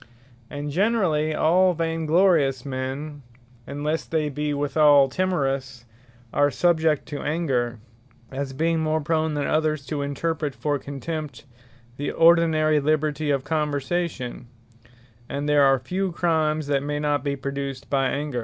And generally all vain glorious men, (unlesse they be withall timorous,) are subject to Anger; as being more prone than others to interpret for contempt, the ordinary liberty of conversation: And there are few Crimes that may not be produced by Anger.